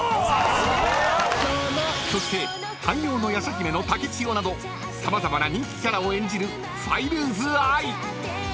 ［そして『半妖の夜叉姫』の竹千代など様々な人気キャラを演じるファイルーズあい］